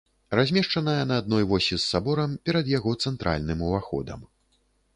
Размешчаная на адной восі з саборам, перад яго цэнтральным уваходам.